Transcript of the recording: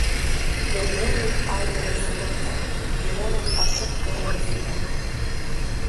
Ирдыруеит аидара зқәырҵо, ирылоуп аҽықәтәара иазку.